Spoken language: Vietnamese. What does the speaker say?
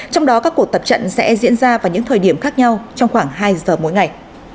trong đó các cuộc tập trận sẽ diễn ra vào những thời điểm khác nhau trong khoảng hai giờ mỗi ngày